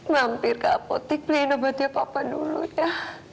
mampir ke apotek beliin obatnya papa dulu ya